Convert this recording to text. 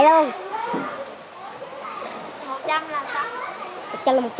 một trăm linh là một trăm linh tỷ